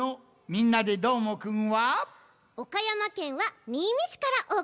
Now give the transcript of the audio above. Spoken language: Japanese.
「みんなＤＥどーもくん！」